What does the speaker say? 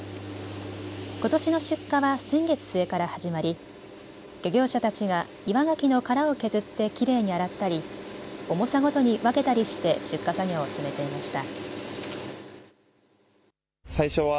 ことしの出荷は先月末から始まり漁業者たちが岩ガキの殻を削ってきれいに洗ったり重さごとに分けたりして出荷作業を進めていました。